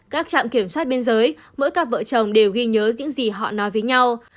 các trạm kiểm soát biên giới mỗi cặp vợ chồng đều ghi nhớ những gì họ nói với nhau